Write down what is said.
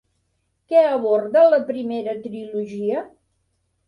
Què aborda la primera trilogia?